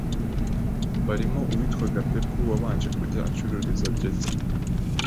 barimo uwitwaga Pepu wabanje kujya acururiza Jetha